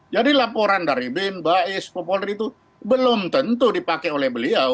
jadi laporan dari bin bais populer itu belum tentu dipakai oleh beliau